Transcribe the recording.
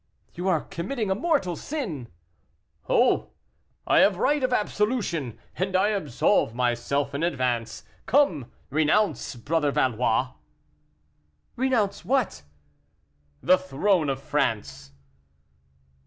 "You are committing a mortal sin." "Oh! I have right of absolution, and I absolve myself in advance. Come, renounce, Brother Valois." "Renounce what?" "The throne of France."